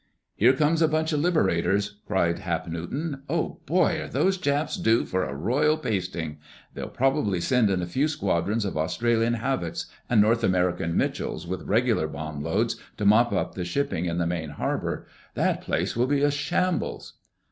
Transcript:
"Here comes a bunch of Liberators!" cried Hap Newton. "Oh, boy, are those Japs due for a royal pasting! They'll probably send in a few squadrons of Australian Havocs and North American Mitchells with regular bomb loads to mop up the shipping in the main harbor. That place will be a shambles."